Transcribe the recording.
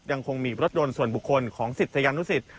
ยังคงมีรถยนต์ส่วนบุคคลของศิษยานุสิต